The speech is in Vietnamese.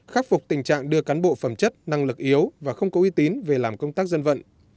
khắc phục tình trạng đưa cán bộ phẩm chất năng lực yếu và không có uy tín về làm công tác dân vận